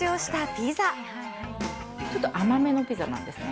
ちょっと甘めのピザなんですね。